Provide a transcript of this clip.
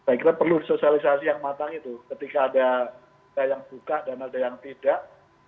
dan saya kira perlu sosialisasi yang matang itu ketika ada yang buka dan ada yang tidak